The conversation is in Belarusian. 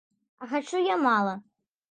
А хачу я мала.